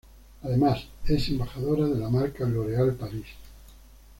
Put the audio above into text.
Además, es embajadora de la marca L'Oreal Paris.